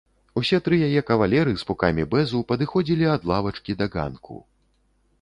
Усе тры яе кавалеры з пукамі бэзу падыходзілі ад лавачкі да ганку.